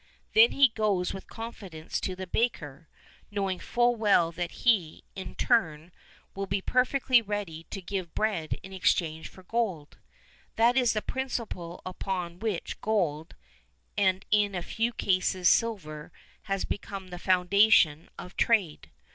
Then he goes with confidence to the baker, knowing full well that he, in turn, will be perfectly ready to give bread in exchange for gold. That is the principle upon which gold, and in a few cases silver, has become the foundation of trade.